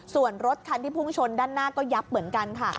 ส่วนรถคันที่พุ่งชนด้านหน้าก็ยับเหมือนกันค่ะ